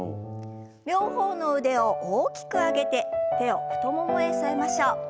両方の腕を大きくあげて手を太ももへ添えましょう。